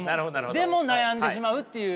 でも悩んでしまうっていう。